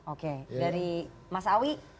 oke dari mas awi